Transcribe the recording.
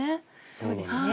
そうですね。